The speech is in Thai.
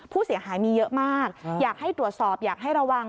ผู้เสียหายมีเยอะมากอยากให้ตรวจสอบอยากให้ระวัง